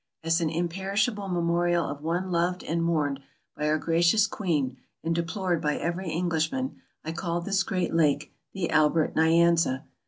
As an imperishable memorial of one loved and mourned by our gracious Queen and deplored by every Englishman, I called this great lake '' the Albert Nyanza.